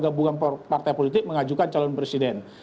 gabungan partai politik mengajukan calon presiden